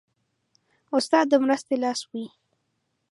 استاد د مرستې لاس وي.